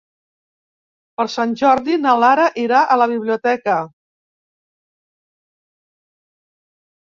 Per Sant Jordi na Lara irà a la biblioteca.